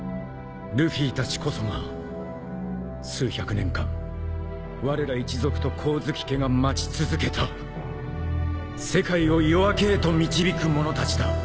ルフィたちこそが数百年間われら一族と光月家が待ち続けた世界を夜明けへと導く者たちだ！